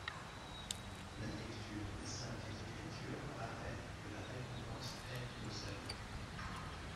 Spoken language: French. La lecture des Saintes Écritures rappelle que la récompense est le salut.